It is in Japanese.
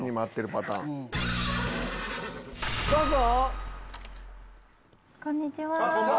どうぞ！